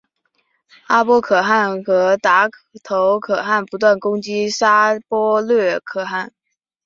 阿波可汗和达头可汗不断攻击沙钵略可汗。